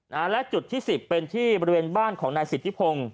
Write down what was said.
นะฮะและจุดที่สิบเป็นที่บริเวณบ้านของนายสิทธิพงศ์